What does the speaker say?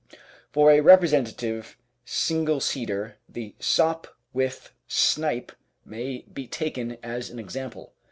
For a representative single seater the Sopwith "Snipe" may be taken as an example.